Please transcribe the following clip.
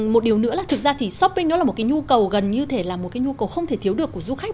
một điều nữa là thực ra thì shopping đó là một cái nhu cầu gần như thể là một cái nhu cầu không thể thiếu được của du khách